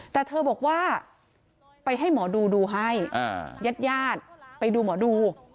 แต่เธอบอกว่าไปให้หมอดูดูให้ญาติญาติไปดูหมอดู